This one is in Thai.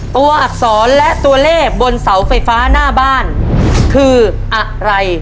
อักษรและตัวเลขบนเสาไฟฟ้าหน้าบ้านคืออะไร